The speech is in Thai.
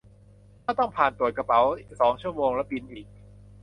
ถ้าต้องผ่านตรวจกระเป๋า สอง ชั่วโมงและบินอีก